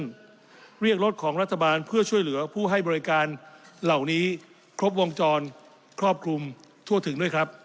เรียกรถของรัฐบาลเพื่อช่วยเหลือผู้ให้บริการเหล่านี้ครบวงจรครอบคลุมทั่วถึงด้วยครับ